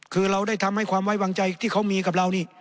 คือเราได้ทำให้ความไว้วางใจที่เขามีกับเรานี่